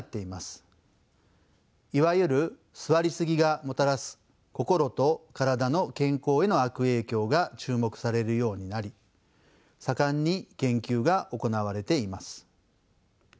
いわゆる座りすぎがもたらす心と体の健康への悪影響が注目されるようになり盛んに研究が行われています。